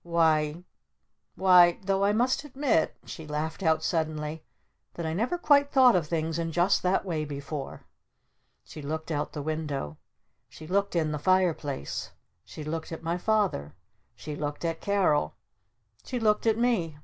Why Why Though I must admit," she laughed out suddenly, "that I never quite thought of things in just that way before!" She looked out the window. She looked in the fire place. She looked at my Father. She looked at Carol. She looked at me.